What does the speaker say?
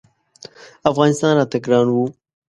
افغانستان راته ګران و.